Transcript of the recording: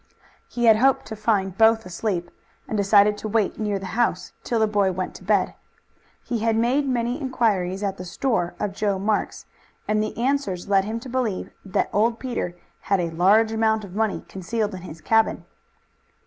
He had hoped to find both asleep, and decided to wait near the house till the boy went to bed. He had made many inquiries at the store of Joe Marks, and the answers led him to believe that old Peter had a large amount of money concealed in his cabin.